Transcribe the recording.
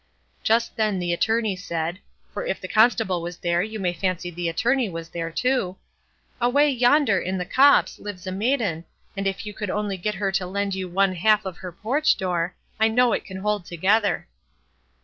Just then the Attorney said—for if the Constable was there, you may fancy the Attorney was there too: "Away yonder, in the copse, lives a maiden, and if you could only get her to lend you one half of her porch door, I know it can hold together."